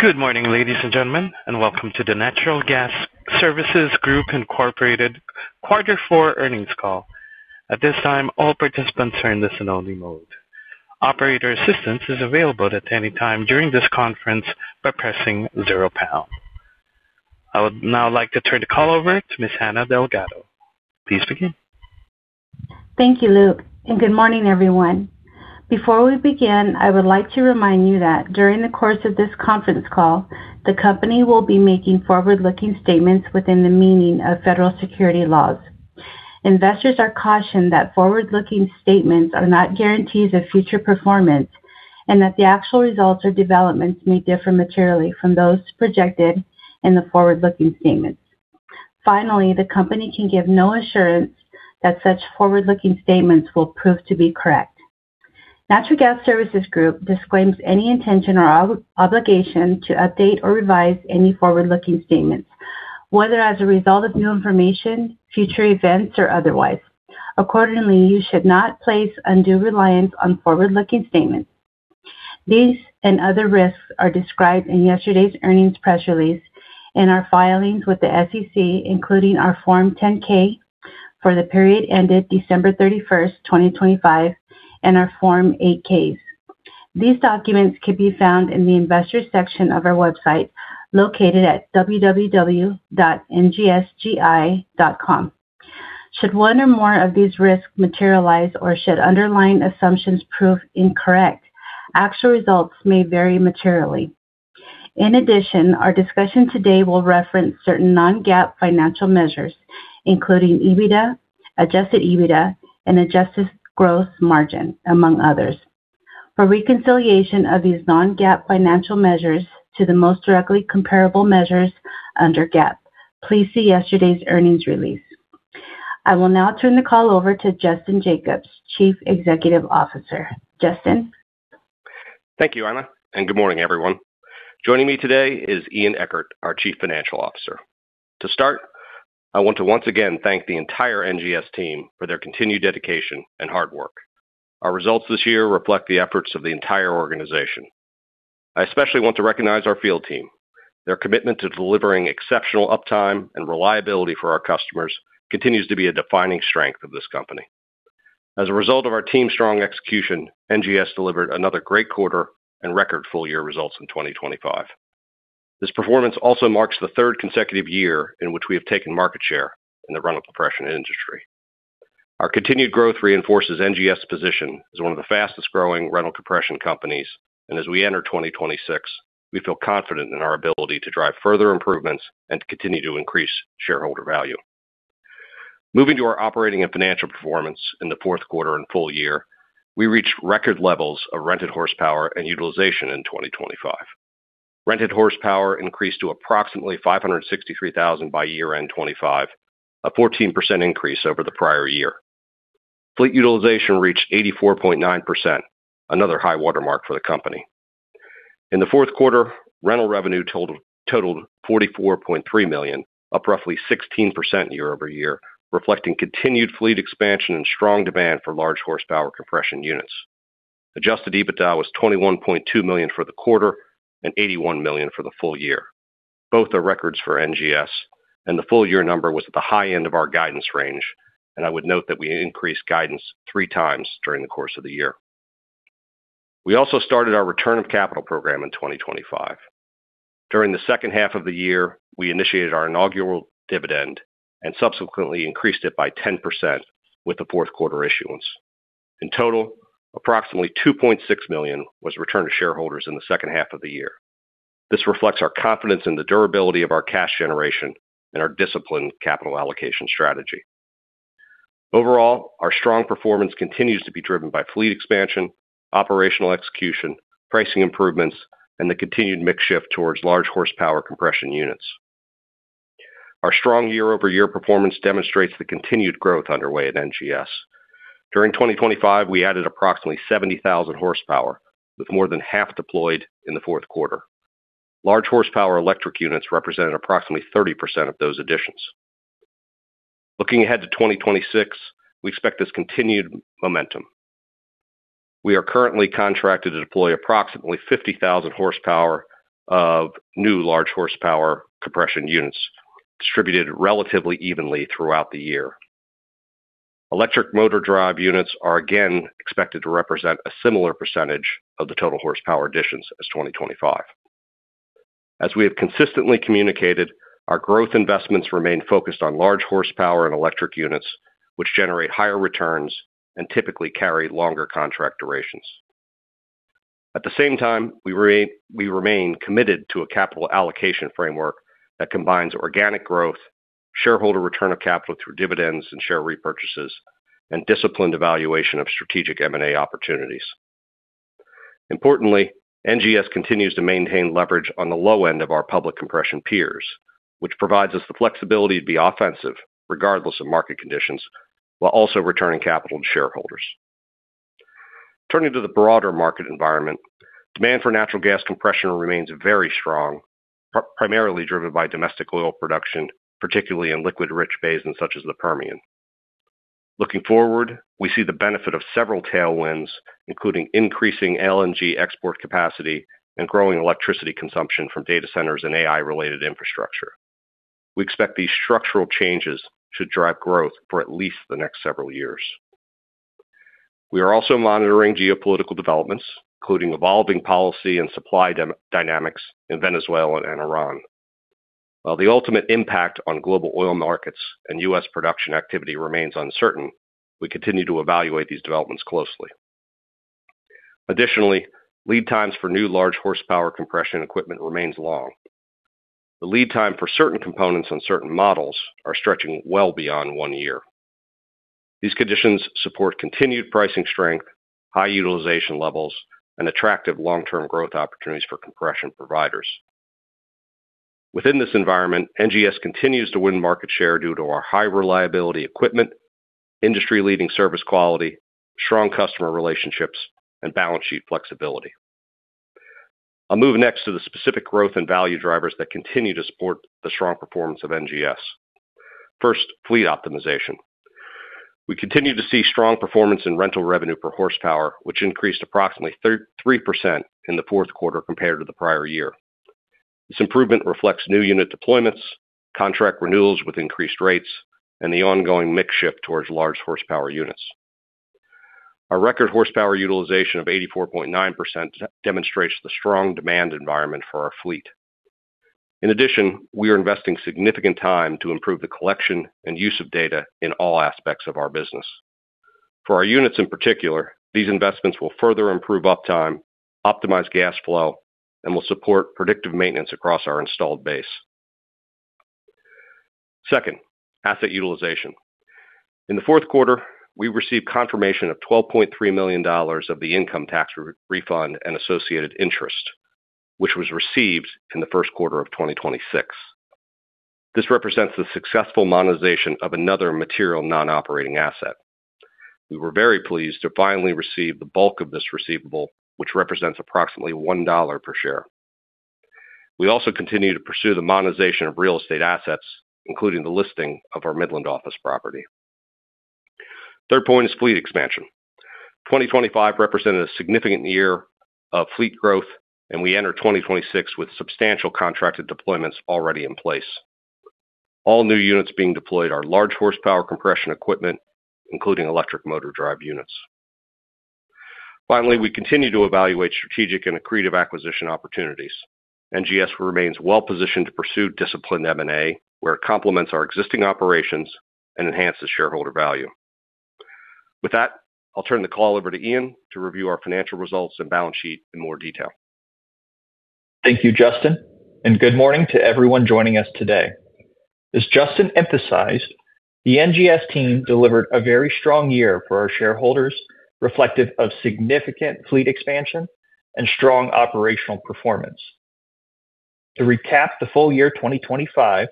Good morning, ladies and gentlemen, and welcome to the Natural Gas Services Group, Inc. quarter four earnings call. At this time, all participants are in listen only mode. Operator assistance is available at any time during this conference by pressing zero pound. I would now like to turn the call over to Ms. Anna Delgado. Please begin. Thank you, Luke, and good morning, everyone. Before we begin, I would like to remind you that during the course of this conference call, the company will be making forward-looking statements within the meaning of federal securities laws. Investors are cautioned that forward-looking statements are not guarantees of future performance and that the actual results or developments may differ materially from those projected in the forward-looking statements. Finally, the company can give no assurance that such forward-looking statements will prove to be correct. Natural Gas Services Group disclaims any intention or obligation to update or revise any forward-looking statements, whether as a result of new information, future events, or otherwise. Accordingly, you should not place undue reliance on forward-looking statements. These and other risks are described in yesterday's earnings press release and our filings with the SEC, including our Form 10-K for the period ended December 31st, 2025, and our Form 8-Ks. These documents can be found in the investors section of our website located at www.ngsgi.com. Should one or more of these risks materialize or should underlying assumptions prove incorrect, actual results may vary materially. In addition, our discussion today will reference certain non-GAAP financial measures, including EBITDA, adjusted EBITDA, and adjusted gross margin, among others. For reconciliation of these non-GAAP financial measures to the most directly comparable measures under GAAP, please see yesterday's earnings release. I will now turn the call over to Justin Jacobs, Chief Executive Officer. Justin. Thank you, Anna, and good morning, everyone. Joining me today is Ian Eckert, our Chief Financial Officer. To start, I want to once again thank the entire NGS team for their continued dedication and hard work. Our results this year reflect the efforts of the entire organization. I especially want to recognize our field team. Their commitment to delivering exceptional uptime and reliability for our customers continues to be a defining strength of this company. As a result of our team's strong execution, NGS delivered another great quarter and record full-year results in 2025. This performance also marks the third consecutive year in which we have taken market share in the rental compression industry. Our continued growth reinforces NGS's position as one of the fastest-growing rental compression companies, and as we enter 2026, we feel confident in our ability to drive further improvements and to continue to increase shareholder value. Moving to our operating and financial performance in the fourth quarter and full year, we reached record levels of rented horsepower and utilization in 2025. Rented horsepower increased to approximately 563,000 by year-end 2025, a 14% increase over the prior year. Fleet utilization reached 84.9%, another high watermark for the company. In the fourth quarter, rental revenue totaled $44.3 million, up roughly 16% year-over-year, reflecting continued fleet expansion and strong demand for large horsepower compression units. Adjusted EBITDA was $21.2 million for the quarter and $81 million for the full year. Both are records for NGS, and the full year number was at the high end of our guidance range, and I would note that we increased guidance 3x during the course of the year. We also started our return of capital program in 2025. During the second half of the year, we initiated our inaugural dividend and subsequently increased it by 10% with the fourth quarter issuance. In total, approximately $2.6 million was returned to shareholders in the second half of the year. This reflects our confidence in the durability of our cash generation and our disciplined capital allocation strategy. Overall, our strong performance continues to be driven by fleet expansion, operational execution, pricing improvements, and the continued mix shift towards large horsepower compression units. Our strong year-over-year performance demonstrates the continued growth underway at NGS. During 2025, we added approximately 70,000 horsepower, with more than half deployed in the fourth quarter. Large horsepower electric units represented approximately 30% of those additions. Looking ahead to 2026, we expect this continued momentum. We are currently contracted to deploy approximately 50,000 horsepower of new large horsepower compression units distributed relatively evenly throughout the year. Electric Motor Drive units are again expected to represent a similar percentage of the total horsepower additions as 2025. As we have consistently communicated, our growth investments remain focused on large horsepower and electric units, which generate higher returns and typically carry longer contract durations. At the same time, we remain committed to a capital allocation framework that combines organic growth, shareholder return of capital through dividends and share repurchases, and disciplined evaluation of strategic M&A opportunities. Importantly, NGS continues to maintain leverage on the low end of our public compression peers, which provides us the flexibility to be offensive regardless of market conditions while also returning capital to shareholders. Turning to the broader market environment, demand for natural gas compression remains very strong, primarily driven by domestic oil production, particularly in liquid-rich basins such as the Permian. Looking forward, we see the benefit of several tailwinds, including increasing LNG export capacity and growing electricity consumption from data centers and AI-related infrastructure. We expect these structural changes to drive growth for at least the next several years. We are also monitoring geopolitical developments, including evolving policy and supply dynamics in Venezuela and Iran. While the ultimate impact on global oil markets and U.S. production activity remains uncertain, we continue to evaluate these developments closely. Additionally, lead times for new large horsepower compression equipment remains long. The lead time for certain components on certain models are stretching well beyond one year. These conditions support continued pricing strength, high utilization levels, and attractive long-term growth opportunities for compression providers. Within this environment, NGS continues to win market share due to our high reliability equipment, industry-leading service quality, strong customer relationships, and balance sheet flexibility. I'll move next to the specific growth and value drivers that continue to support the strong performance of NGS. First, fleet optimization. We continue to see strong performance in rental revenue per horsepower, which increased approximately 3% in the fourth quarter compared to the prior year. This improvement reflects new unit deployments, contract renewals with increased rates, and the ongoing mix shift towards large horsepower units. Our record horsepower utilization of 84.9% demonstrates the strong demand environment for our fleet. In addition, we are investing significant time to improve the collection and use of data in all aspects of our business. For our units in particular, these investments will further improve uptime, optimize gas flow, and will support predictive maintenance across our installed base. Second, asset utilization. In the fourth quarter, we received confirmation of $12.3 million of the income tax re-refund and associated interest, which was received in the first quarter of 2026. This represents the successful monetization of another material non-operating asset. We were very pleased to finally receive the bulk of this receivable, which represents approximately $1 per share. We also continue to pursue the monetization of real estate assets, including the listing of our Midland office property. Third point is fleet expansion. 2025 represented a significant year of fleet growth, and we enter 2026 with substantial contracted deployments already in place. All new units being deployed are large horsepower compression equipment, including electric motor drive units. Finally, we continue to evaluate strategic and accretive acquisition opportunities. NGS remains well-positioned to pursue disciplined M&A, where it complements our existing operations and enhances shareholder value. With that, I'll turn the call over to Ian to review our financial results and balance sheet in more detail. Thank you, Justin, and good morning to everyone joining us today. As Justin emphasized, the NGS team delivered a very strong year for our shareholders, reflective of significant fleet expansion and strong operational performance. To recap the full year 2025,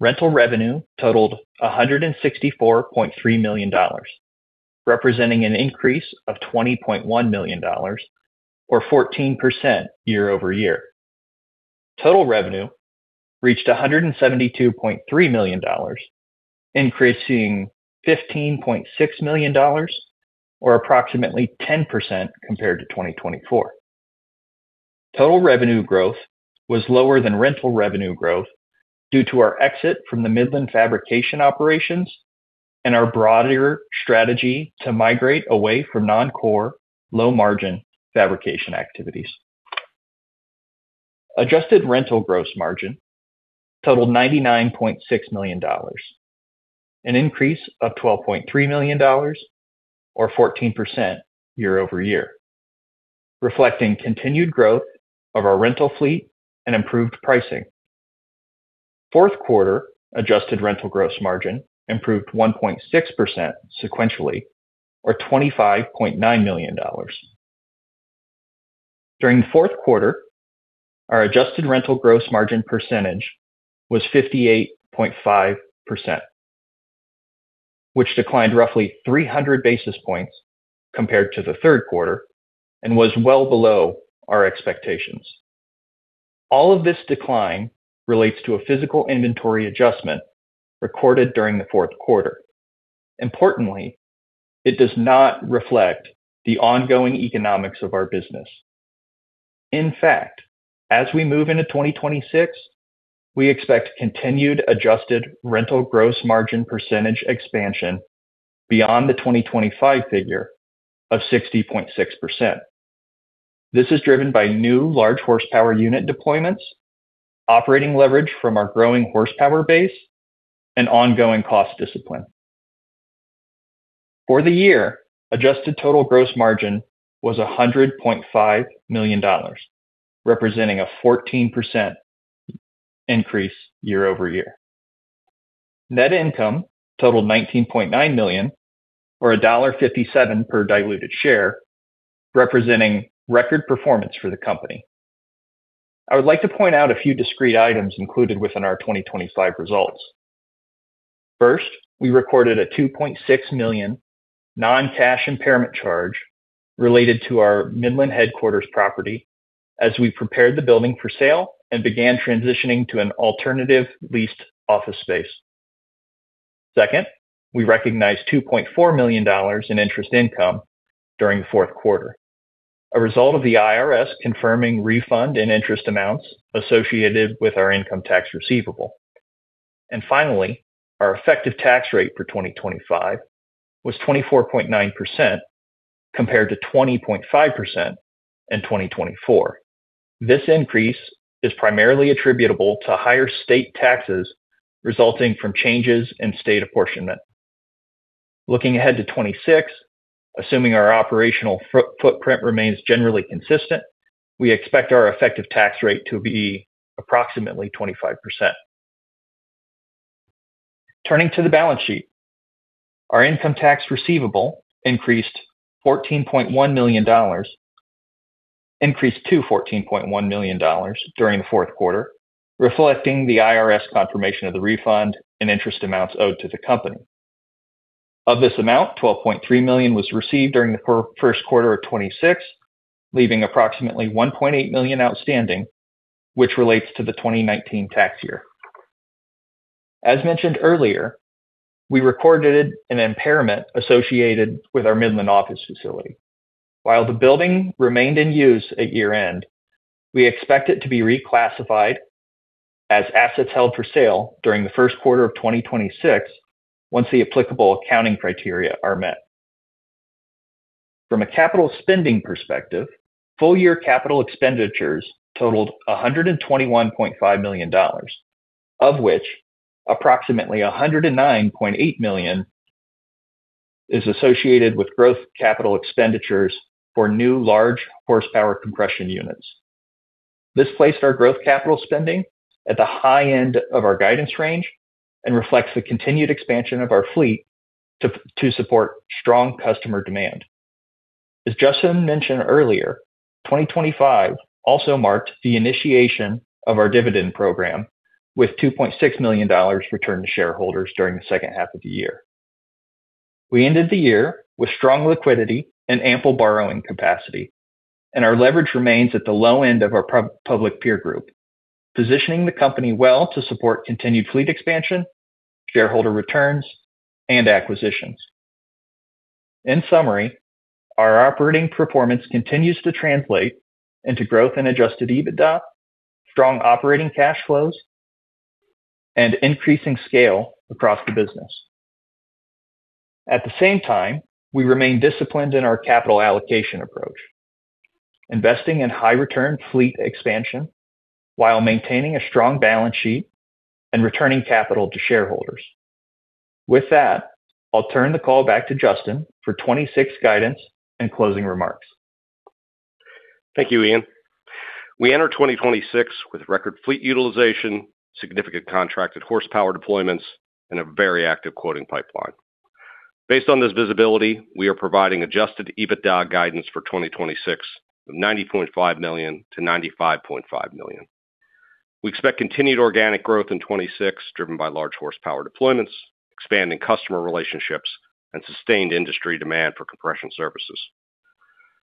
rental revenue totaled $164.3 million, representing an increase of $20.1 million, or 14% year-over-year. Total revenue reached $172.3 million, increasing $15.6 million or approximately 10% compared to 2024. Total revenue growth was lower than rental revenue growth due to our exit from the Midland fabrication operations and our broader strategy to migrate away from non-core low-margin fabrication activities. Adjusted rental gross margin totaled $99.6 million, an increase of $12.3 million or 14% year-over-year, reflecting continued growth of our rental fleet and improved pricing. Fourth quarter adjusted rental gross margin improved 1.6% sequentially, or $25.9 million. During the fourth quarter, our adjusted rental gross margin percentage was 58.5%, which declined roughly 300 basis points compared to the third quarter and was well below our expectations. All of this decline relates to a physical inventory adjustment recorded during the fourth quarter. Importantly, it does not reflect the ongoing economics of our business. In fact, as we move into 2026, we expect continued adjusted rental gross margin percentage expansion beyond the 2025 figure of 60.6%. This is driven by new large horsepower unit deployments, operating leverage from our growing horsepower base, and ongoing cost discipline. For the year, adjusted total gross margin was $100.5 million, representing a 14% increase year-over-year. Net income totaled $19.9 million or $1.57 per diluted share, representing record performance for the company. I would like to point out a few discrete items included within our 2025 results. First, we recorded a $2.6 million non-cash impairment charge related to our Midland headquarters property. As we prepared the building for sale and began transitioning to an alternative leased office space. Second, we recognized $2.4 million in interest income during the fourth quarter, a result of the IRS confirming refund and interest amounts associated with our income tax receivable. Finally, our effective tax rate for 2025 was 24.9% compared to 20.5% in 2024. This increase is primarily attributable to higher state taxes resulting from changes in state apportionment. Looking ahead to 2026, assuming our operational footprint remains generally consistent, we expect our effective tax rate to be approximately 25%. Turning to the balance sheet, our income tax receivable increased to $14.1 million during the fourth quarter, reflecting the IRS confirmation of the refund and interest amounts owed to the company. Of this amount, $12.3 million was received during the first quarter of 2026, leaving approximately $1.8 million outstanding, which relates to the 2019 tax year. As mentioned earlier, we recorded an impairment associated with our Midland office facility. While the building remained in use at year-end, we expect it to be reclassified as assets held for sale during the first quarter of 2026 once the applicable accounting criteria are met. From a capital spending perspective, full year capital expenditures totaled $121.5 million, of which approximately $109.8 million is associated with growth capital expenditures for new large horsepower compression units. This placed our growth capital spending at the high end of our guidance range and reflects the continued expansion of our fleet to support strong customer demand. As Justin mentioned earlier, 2025 also marked the initiation of our dividend program with $2.6 million returned to shareholders during the second half of the year. We ended the year with strong liquidity and ample borrowing capacity, and our leverage remains at the low end of our public peer group, positioning the company well to support continued fleet expansion, shareholder returns and acquisitions. In summary, our operating performance continues to translate into growth in adjusted EBITDA, strong operating cash flows, and increasing scale across the business. At the same time, we remain disciplined in our capital allocation approach, investing in high return fleet expansion while maintaining a strong balance sheet and returning capital to shareholders. With that, I'll turn the call back to Justin for 2026 guidance and closing remarks. Thank you, Ian. We enter 2026 with record fleet utilization, significant contracted horsepower deployments, and a very active quoting pipeline. Based on this visibility, we are providing adjusted EBITDA guidance for 2026 of $90.5 million-$95.5 million. We expect continued organic growth in 2026, driven by large horsepower deployments, expanding customer relationships, and sustained industry demand for compression services.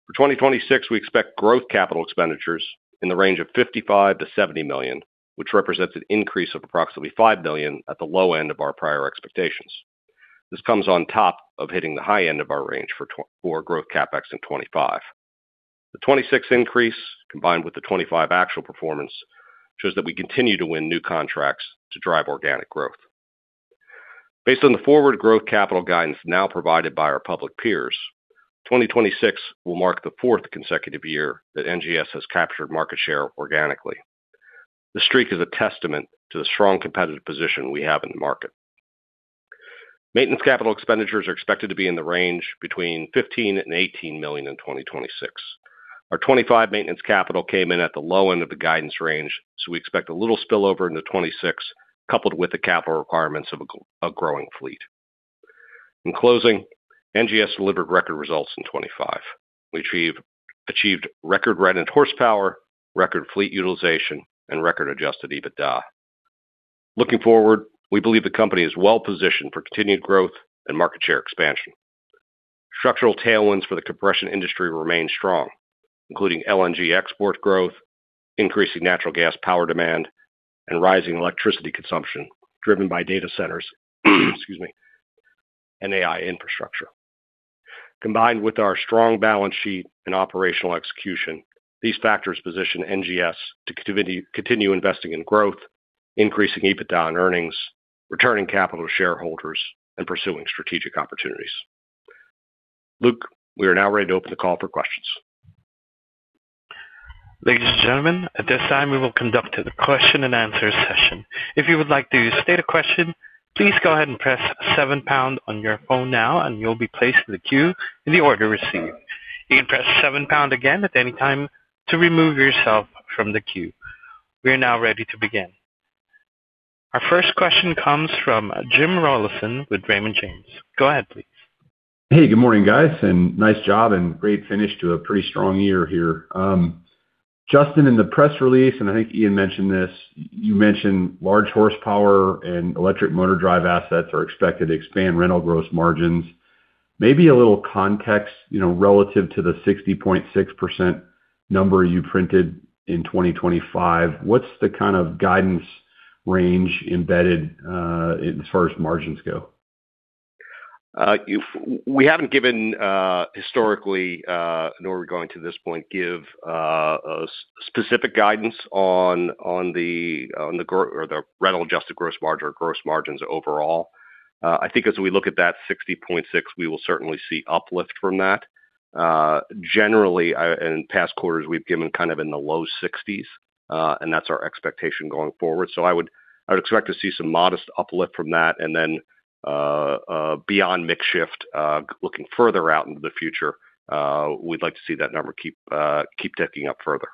For 2026, we expect growth capital expenditures in the range of $55 million-$70 million, which represents an increase of approximately $5 million at the low end of our prior expectations. This comes on top of hitting the high end of our range for growth CapEx in 2025. The 2026 increase, combined with the 2025 actual performance, shows that we continue to win new contracts to drive organic growth. Based on the forward growth capital guidance now provided by our public peers, 2026 will mark the fourth consecutive year that NGS has captured market share organically. The streak is a testament to the strong competitive position we have in the market. Maintenance capital expenditures are expected to be in the range between $15 million and $18 million in 2026. Our 2025 maintenance capital came in at the low end of the guidance range, so we expect a little spill over into 2026, coupled with the capital requirements of a growing fleet. In closing, NGS delivered record results in 2025. We achieved record rented horsepower, record fleet utilization, and record Adjusted EBITDA. Looking forward, we believe the company is well positioned for continued growth and market share expansion. Structural tailwinds for the compression industry remain strong, including LNG export growth, increasing natural gas power demand, and rising electricity consumption driven by data centers, excuse me, and AI infrastructure. Combined with our strong balance sheet and operational execution, these factors position NGS to continue investing in growth, increasing EBITDA and earnings, returning capital to shareholders, and pursuing strategic opportunities. Luke, we are now ready to open the call for questions. Ladies and gentlemen, at this time we will conduct the question and answer session. If you would like to state a question, please go ahead and press seven pound on your phone now and you'll be placed in the queue in the order received. You can press seven pound again at any time to remove yourself from the queue. We are now ready to begin. Our first question comes from Jim Rollyson with Raymond James. Go ahead, please. Hey, good morning, guys, and nice job and great finish to a pretty strong year here. Justin, in the press release, and I think Ian mentioned this, you mentioned large horsepower and electric motor drive assets are expected to expand rental gross margins. Maybe a little context, you know, relative to the 60.6% number you printed in 2025. What's the kind of guidance range embedded, as far as margins go? We haven't given historically, nor are we going to this point give a specific guidance on the adjusted rental gross margin or gross margins overall. I think as we look at that 60.6%, we will certainly see uplift from that. Generally, in past quarters, we've given kind of in the low 60s%, and that's our expectation going forward. I would expect to see some modest uplift from that. Then, beyond mix shift, looking further out into the future, we'd like to see that number keep ticking up further.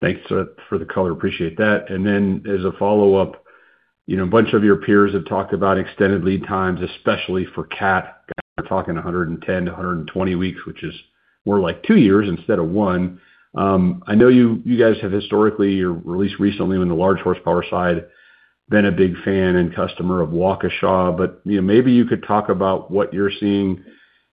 Thanks for the color. Appreciate that. As a follow-up, you know, a bunch of your peers have talked about extended lead times, especially for CAT. We're talking 110-120 weeks, which is more like two years instead of one. I know you guys have historically, or at least recently on the large horsepower side, been a big fan and customer of Waukesha, but you know, maybe you could talk about what you're seeing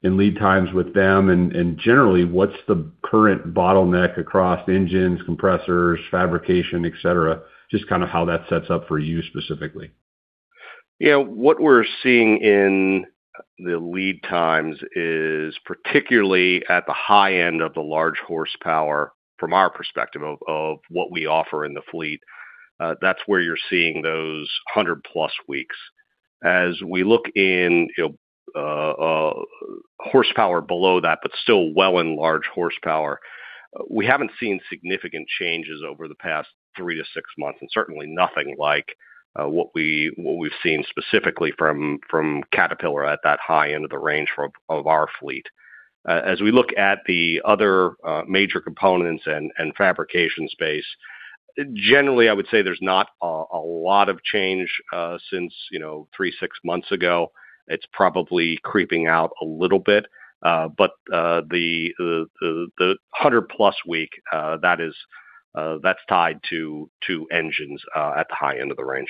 in lead times with them, and generally, what's the current bottleneck across engines, compressors, fabrication, et cetera, just kind of how that sets up for you specifically. Yeah. What we're seeing in the lead times is particularly at the high end of the large horsepower from our perspective of what we offer in the fleet, that's where you're seeing those 100+ weeks. As we look in, you know, horsepower below that, but still well in large horsepower, we haven't seen significant changes over the past three to six months, and certainly nothing like what we've seen specifically from Caterpillar at that high end of the range of our fleet. As we look at the other major components and fabrication space, generally, I would say there's not a lot of change since, you know, three to six months ago. It's probably creeping out a little bit. The 100+ week that's tied to engines at the high end of the range.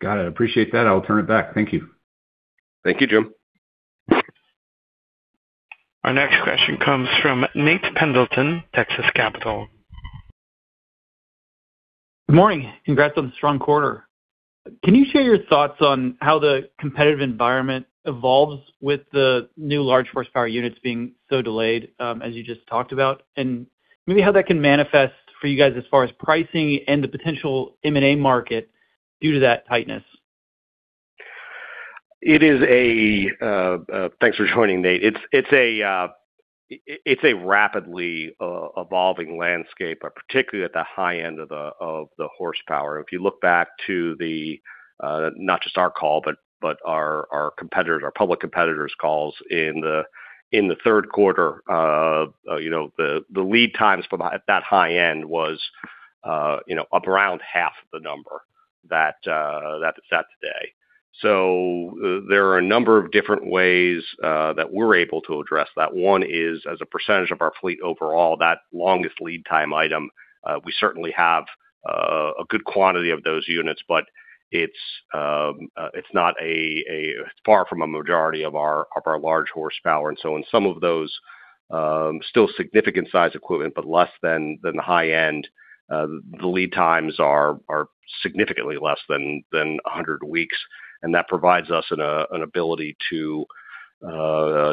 Got it. Appreciate that. I'll turn it back. Thank you. Thank you, Jim. Our next question comes from Nate Pendleton, Texas Capital. Good morning. Congrats on the strong quarter. Can you share your thoughts on how the competitive environment evolves with the new large horsepower units being so delayed, as you just talked about, and maybe how that can manifest for you guys as far as pricing and the potential M&A market due to that tightness? Thanks for joining, Nate. It's a rapidly evolving landscape, particularly at the high end of the horsepower. If you look back to the, not just our call, but our competitors, our public competitors' calls in the third quarter, you know, the lead times at that high end was, you know, up around half the number that it's at today. There are a number of different ways that we're able to address that. One is, as a percentage of our fleet overall, that longest lead time item, we certainly have a good quantity of those units, but it's not far from a majority of our large horsepower. In some of those still significant size equipment, but less than the high end, the lead times are significantly less than 100 weeks, and that provides us an ability to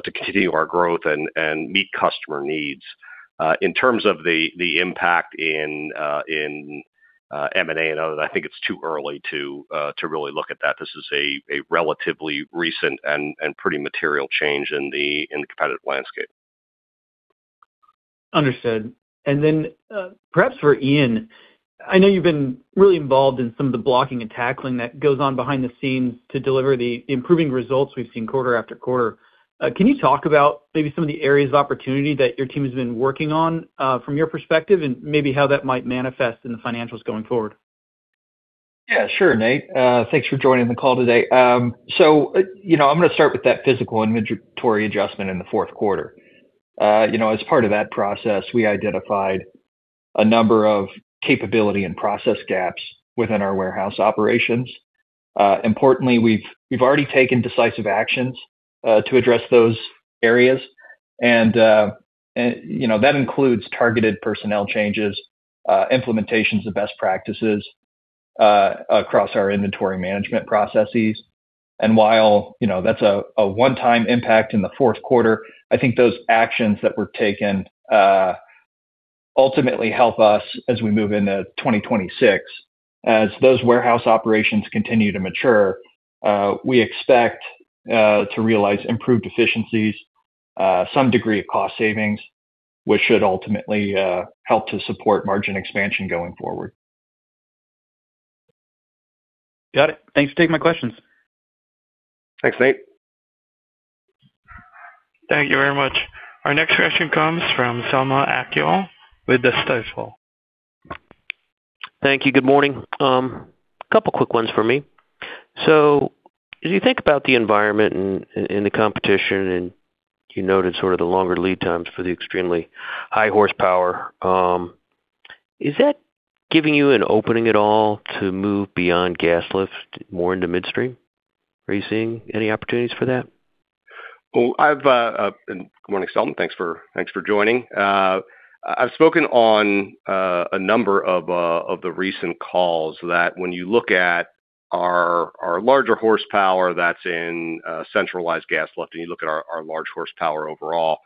continue our growth and meet customer needs. In terms of the impact in M&A and others, I think it's too early to really look at that. This is a relatively recent and pretty material change in the competitive landscape. Understood. Perhaps for Ian, I know you've been really involved in some of the blocking and tackling that goes on behind the scenes to deliver the improving results we've seen quarter after quarter. Can you talk about maybe some of the areas of opportunity that your team has been working on, from your perspective and maybe how that might manifest in the financials going forward? Yeah, sure, Nate. Thanks for joining the call today. So, you know, I'm gonna start with that physical inventory adjustment in the fourth quarter. You know, as part of that process, we identified a number of capability and process gaps within our warehouse operations. Importantly, we've already taken decisive actions to address those areas. You know, that includes targeted personnel changes, implementations of best practices across our inventory management processes. While, you know, that's a one-time impact in the fourth quarter, I think those actions that were taken ultimately help us as we move into 2026. As those warehouse operations continue to mature, we expect to realize improved efficiencies, some degree of cost savings, which should ultimately help to support margin expansion going forward. Got it. Thanks for taking my questions. Thanks, Nate. Thank you very much. Our next question comes from Selman Akyol with Stifel. Thank you. Good morning. A couple quick ones for me. As you think about the environment and the competition, and you noted sort of the longer lead times for the extremely high horsepower, is that giving you an opening at all to move beyond gas lift more into midstream? Are you seeing any opportunities for that? Well, good morning, Selman. Thanks for joining. I've spoken on a number of the recent calls that when you look at our larger horsepower that's in centralized gas lift, and you look at our large horsepower overall,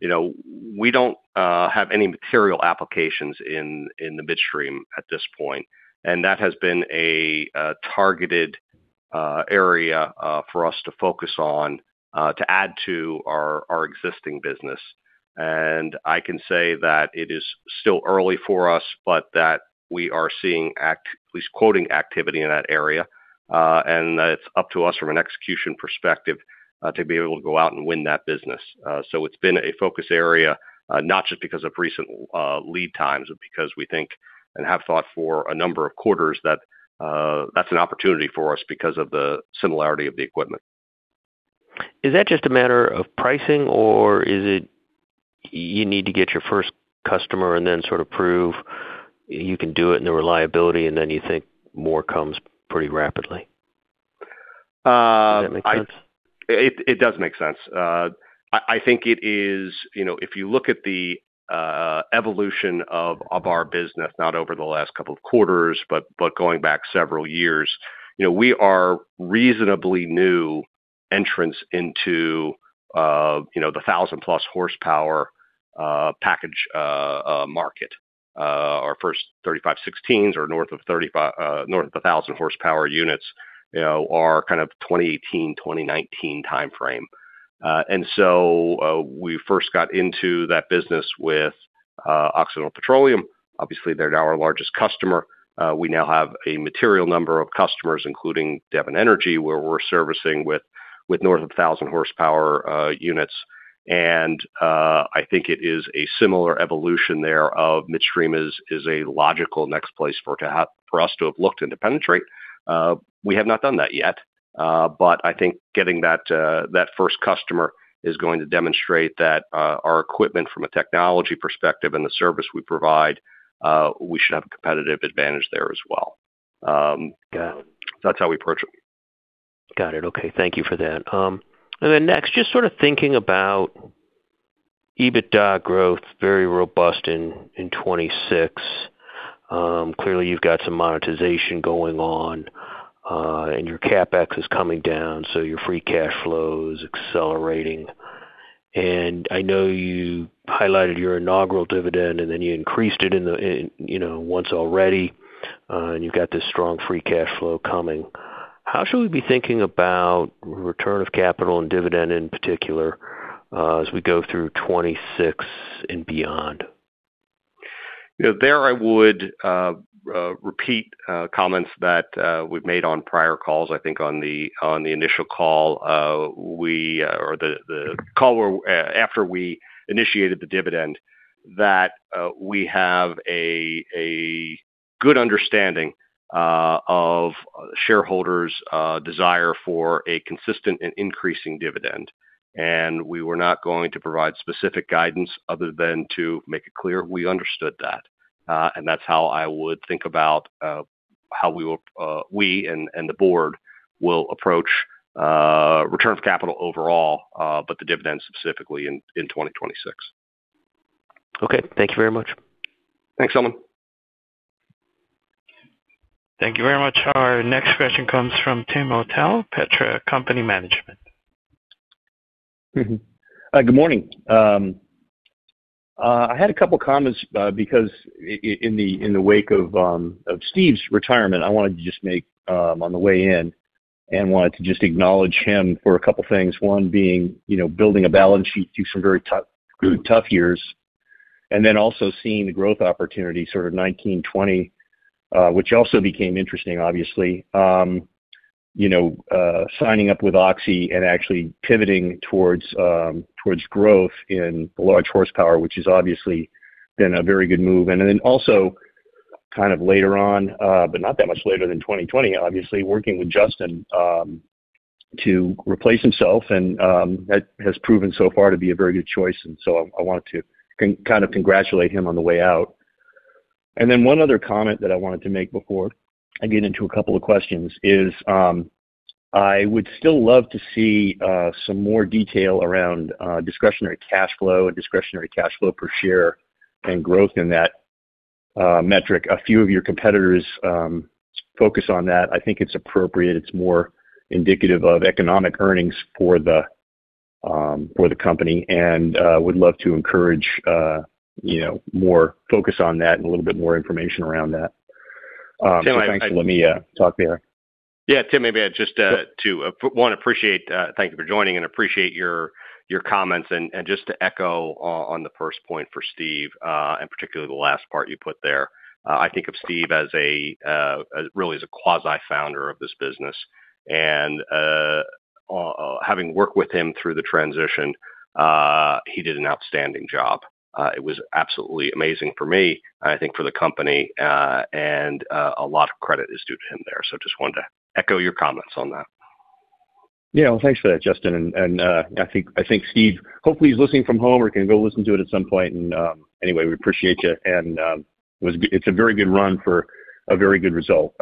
you know, we don't have any material applications in the midstream at this point. That has been a targeted area for us to focus on to add to our existing business. I can say that it is still early for us, but that we are seeing at least quoting activity in that area, and that it's up to us from an execution perspective to be able to go out and win that business. It's been a focus area, not just because of recent lead times, but because we think and have thought for a number of quarters that that's an opportunity for us because of the similarity of the equipment. Is that just a matter of pricing, or is it you need to get your first customer and then sort of prove you can do it and the reliability, and then you think more comes pretty rapidly? Uh. Does that make sense? It does make sense. I think it is. You know, if you look at the evolution of our business, not over the last couple of quarters, but going back several years, you know, we are reasonably new entrants into you know, the 1,000+ horsepower package market. Our first 3516s or north of a thousand horsepower units, you know, are kind of 2018, 2019 timeframe. We first got into that business with Occidental Petroleum. Obviously, they're now our largest customer. We now have a material number of customers, including Devon Energy, where we're servicing with north of a thousand horsepower units. I think it is a similar evolution there of midstream is a logical next place for us to have looked and to penetrate. We have not done that yet, but I think getting that first customer is going to demonstrate that our equipment from a technology perspective and the service we provide, we should have a competitive advantage there as well. Got it. That's how we approach it. Got it. Okay. Thank you for that. Next, just sort of thinking about EBITDA growth, very robust in 2026. Clearly, you've got some monetization going on, and your CapEx is coming down, so your free cash flow is accelerating. I know you highlighted your inaugural dividend, and then you increased it in the you know, once already, and you've got this strong free cash flow coming. How should we be thinking about return of capital and dividend, in particular, as we go through 2026 and beyond? You know, there I would repeat comments that we've made on prior calls. I think on the initial call, or the call where after we initiated the dividend, that we have a good understanding of shareholders' desire for a consistent and increasing dividend. We were not going to provide specific guidance other than to make it clear we understood that. That's how I would think about how we and the Board will approach return of capital overall, but the dividend specifically in 2026. Okay. Thank you very much. Thanks, Selman. Thank you very much. Our next question comes from Tim O'Tell, Petra Company Management. Good morning. I had a couple comments because in the wake of Steve's retirement, I wanted to just make on the way in and wanted to just acknowledge him for a couple things. One being, you know, building a balance sheet through some very tough years, and then also seeing the growth opportunity sort of 2019-2020, which also became interesting, obviously. You know, signing up with Oxy and actually pivoting towards growth in large horsepower, which has obviously been a very good move. Then also kind of later on, but not that much later than 2020, obviously working with Justin to replace himself and that has proven so far to be a very good choice. I wanted to kind of congratulate him on the way out. One other comment that I wanted to make before I get into a couple of questions is, I would still love to see some more detail around discretionary cash flow and discretionary cash flow per share and growth in that metric. A few of your competitors focus on that. I think it's appropriate. It's more indicative of economic earnings for the company, and would love to encourage you know more focus on that and a little bit more information around that. Thanks. Let me talk there. Yeah. Tim, maybe I just appreciate, thank you for joining and appreciate your comments. Just to echo on the first point for Steve, and particularly the last part you put there, I think of Steve as really as a quasi-founder of this business. Having worked with him through the transition, he did an outstanding job. It was absolutely amazing for me, I think for the company, and a lot of credit is due to him there. Just wanted to echo your comments on that. Yeah. Well, thanks for that, Justin. I think Steve hopefully is listening from home or can go listen to it at some point. Anyway, we appreciate you and it's a very good run for a very good result.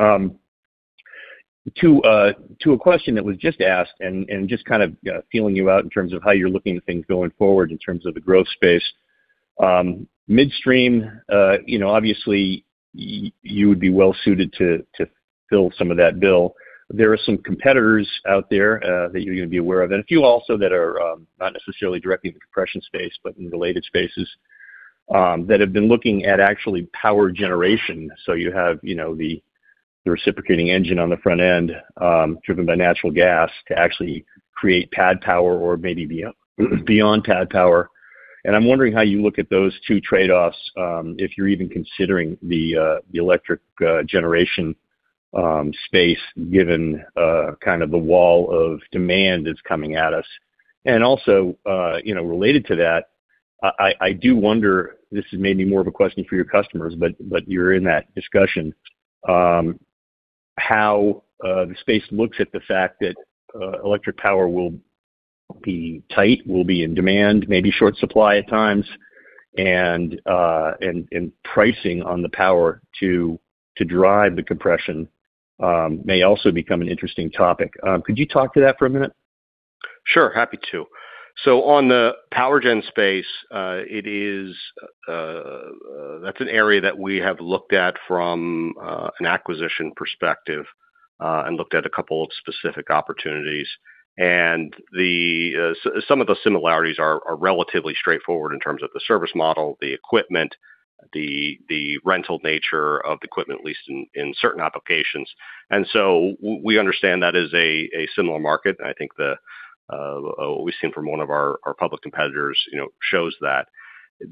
To a question that was just asked and just kind of feeling you out in terms of how you're looking at things going forward in terms of the growth space. Midstream, you know, obviously you would be well suited to fill some of that bill. There are some competitors out there that you're gonna be aware of, and a few also that are not necessarily directly in the compression space, but in related spaces that have been looking at actually power generation. You have, you know, the reciprocating engine on the front end, driven by natural gas to actually create pad power or maybe beyond pad power. I'm wondering how you look at those two trade-offs, if you're even considering the electric generation space, given kind of the wall of demand that's coming at us. Also, you know, related to that, I do wonder, this is maybe more of a question for your customers, but you're in that discussion, how the space looks at the fact that electric power will be tight, will be in demand, maybe short supply at times, and pricing on the power to drive the compression may also become an interesting topic. Could you talk to that for a minute? Sure, happy to. On the power gen space, that's an area that we have looked at from an acquisition perspective, and looked at a couple of specific opportunities. Some of the similarities are relatively straightforward in terms of the service model, the equipment, the rental nature of the equipment, at least in certain applications. We understand that is a similar market. I think what we've seen from one of our public competitors, you know, shows that. As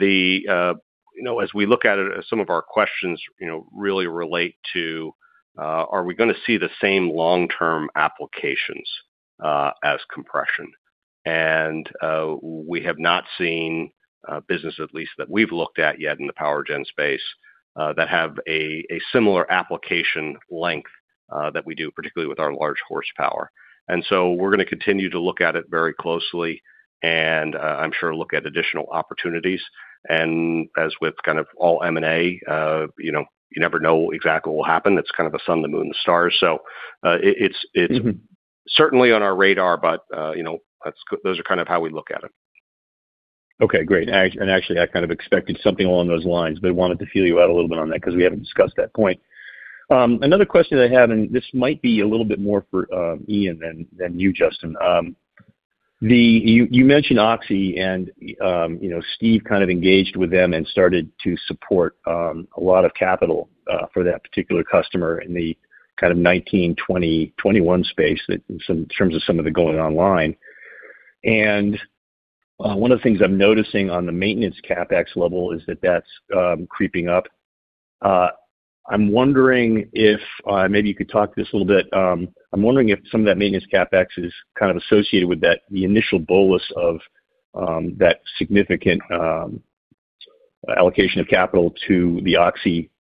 we look at it, some of our questions, you know, really relate to are we gonna see the same long-term applications as compression? We have not seen a business at least that we've looked at yet in the power gen space that have a similar application length that we do, particularly with our large horsepower. We're gonna continue to look at it very closely and I'm sure look at additional opportunities. As with kind of all M&A, you know, you never know exactly what will happen. It's kind of the sun, the moon, the stars. It's certainly on our radar, but you know, those are kind of how we look at it. Okay, great. And actually, I kind of expected something along those lines, but wanted to feel you out a little bit on that because we haven't discussed that point. Another question I have, and this might be a little bit more for Ian than you, Justin. You mentioned Oxy and you know, Steve kind of engaged with them and started to support a lot of capital for that particular customer in the kind of 2019, 2020, 2021 space that in some terms of some of it going online. One of the things I'm noticing on the maintenance CapEx level is that that's creeping up. I'm wondering if maybe you could talk to this a little bit. I'm wondering if some of that maintenance CapEx is kind of associated with that, the initial bolus of that significant allocation of capital to the Oxy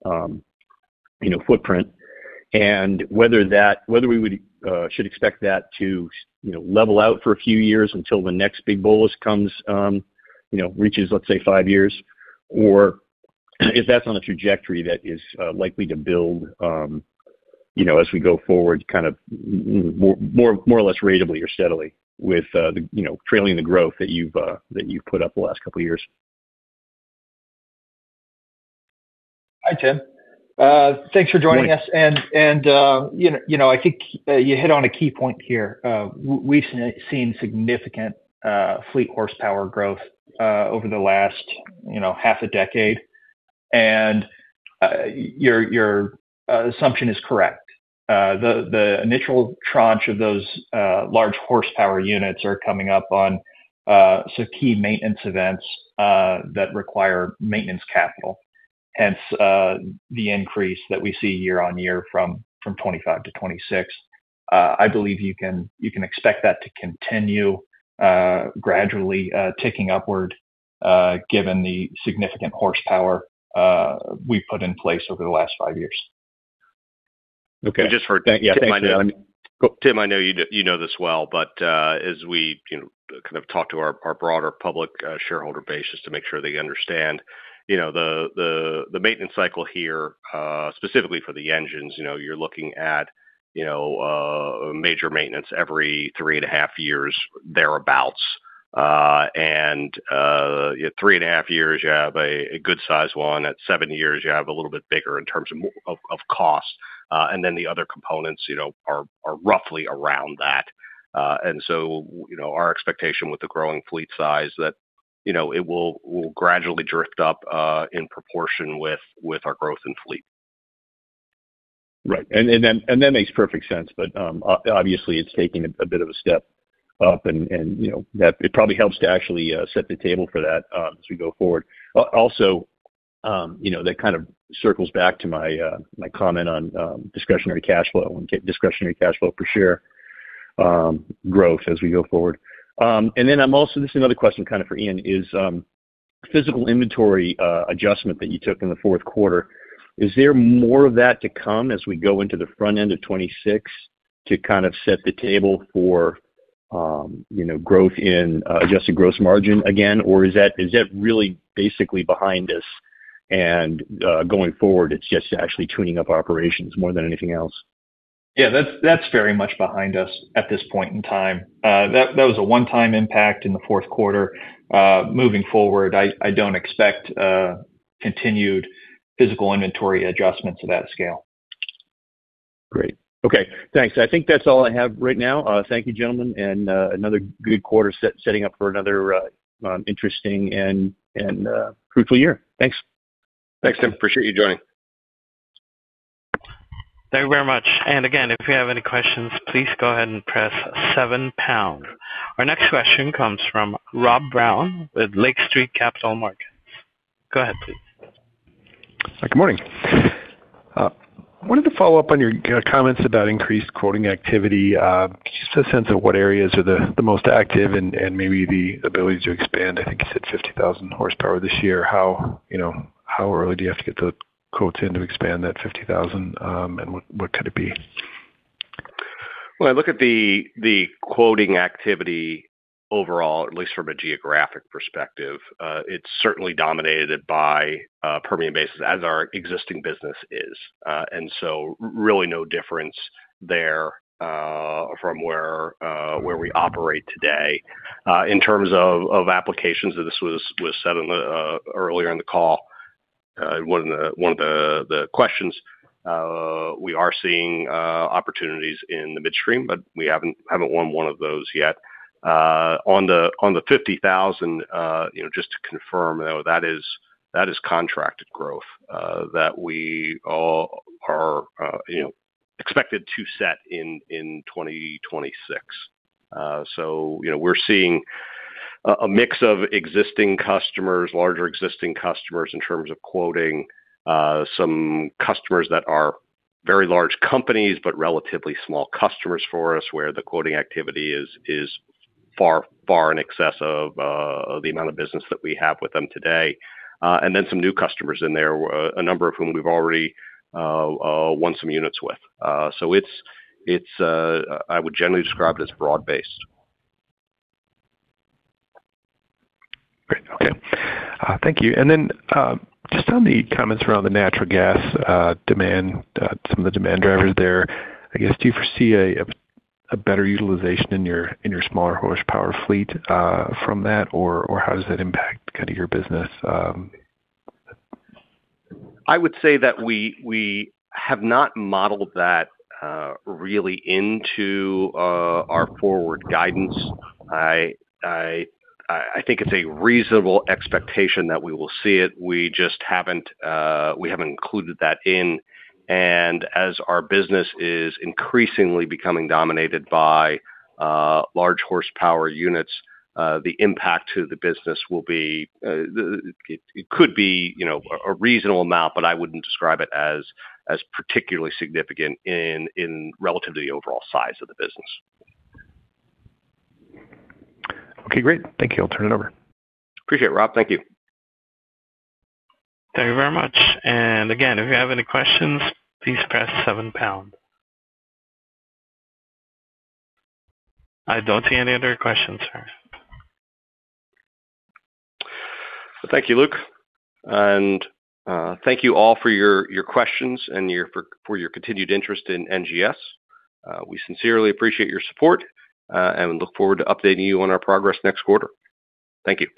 footprint, and whether we should expect that to level out for a few years until the next big bolus comes, you know, reaches, let's say, five years, or if that's on a trajectory that is likely to build as we go forward, kind of more or less ratably or steadily with the trailing the growth that you've put up the last couple of years. Hi, Tim. Thanks for joining us. Morning. You know, I think you hit on a key point here. We've seen significant fleet horsepower growth over the last, you know, half a decade. Your assumption is correct. The initial tranche of those large horsepower units are coming up on some key maintenance events that require maintenance capital, hence the increase that we see year-over-year from 2025-2026. I believe you can expect that to continue gradually ticking upward given the significant horsepower we've put in place over the last five years. Okay. Just for- Yeah. Thanks, Ian. Tim, I know you know this well, but as we you know kind of talk to our broader public shareholder base, just to make sure they understand you know the maintenance cycle here specifically for the engines, you know you're looking at you know major maintenance every three and a half years thereabout. Three and a half years, you have a good size one. At seven years, you have a little bit bigger in terms of cost. The other components you know are roughly around that. Our expectation with the growing fleet size that you know it will gradually drift up in proportion with our growth in fleet. Right. That makes perfect sense. Obviously it's taking a bit of a step up and you know that it probably helps to actually set the table for that as we go forward. Also you know that kind of circles back to my comment on discretionary cash flow and the discretionary cash flow per share growth as we go forward. I'm also. This is another question kind of for Ian. Is physical inventory adjustment that you took in the fourth quarter, is there more of that to come as we go into the front end of 2026 to kind of set the table for you know growth in adjusted gross margin again? Is that really basically behind us and going forward, it's just actually tuning up operations more than anything else? Yeah, that's very much behind us at this point in time. That was a one-time impact in the fourth quarter. Moving forward, I don't expect continued physical inventory adjustments of that scale. Great. Okay. Thanks. I think that's all I have right now. Thank you, gentlemen, and another good quarter setting up for another interesting and fruitful year. Thanks. Thanks, Tim. Appreciate you joining. Thank you very much. Again, if you have any questions, please go ahead and press seven pound. Our next question comes from Rob Brown with Lake Street Capital Markets. Go ahead, please. Good morning. Wanted to follow up on your comments about increased quoting activity. Just a sense of what areas are the most active and maybe the ability to expand, I think you said 50,000 horsepower this year. How, you know, how early do you have to get the quotes in to expand that 50,000, and what could it be? When I look at the quoting activity overall, at least from a geographic perspective, it's certainly dominated by Permian Basin as our existing business is. Really no difference there from where we operate today. In terms of applications, this was said earlier in the call, one of the questions. We are seeing opportunities in the midstream, but we haven't won one of those yet. On the 50,000, you know, just to confirm, though, that is contracted growth that we all are, you know, expected to set in 2026. You know, we're seeing a mix of existing customers, larger existing customers in terms of quoting, some customers that are very large companies, but relatively small customers for us where the quoting activity is far in excess of the amount of business that we have with them today. Some new customers in there, a number of whom we've already won some units with. I would generally describe it as broad-based. Great. Okay. Thank you. Just on the comments around the natural gas demand, some of the demand drivers there. I guess, do you foresee a better utilization in your smaller horsepower fleet from that? Or how does that impact kind of your business? I would say that we have not modeled that really into our forward guidance. I think it's a reasonable expectation that we will see it. We just haven't included that in. As our business is increasingly becoming dominated by large horsepower units, the impact to the business will be it could be, you know, a reasonable amount, but I wouldn't describe it as particularly significant in relative to the overall size of the business. Okay, great. Thank you. I'll turn it over. Appreciate it, Rob. Thank you. Thank you very much. Again, if you have any questions, please press seven pound. I don't see any other questions here. Thank you, Luke. Thank you all for your questions and for your continued interest in NGS. We sincerely appreciate your support, and look forward to updating you on our progress next quarter. Thank you.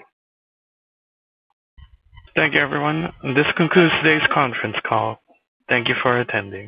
Thank you, everyone. This concludes today's conference call. Thank you for attending.